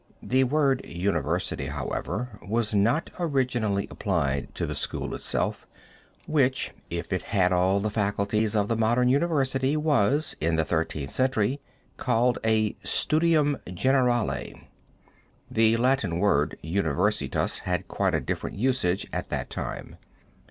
The word university, however, was not originally applied to the school itself, which, if it had all the faculties of the modern university, was, in the Thirteenth Century, called a studium generale. The Latin word universitas had quite a different usage at that time.